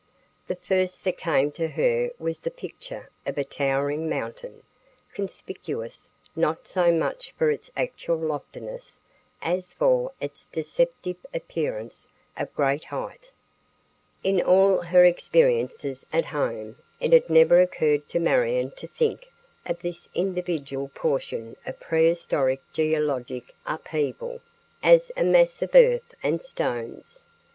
The first that came to her was the picture of a towering mountain, conspicuous not so much for its actual loftiness as for its deceptive appearance of great height. In all her experiences at home, it had never occurred to Marion to think of this individual portion of prehistoric geologic upheaval as a mass of earth and stones.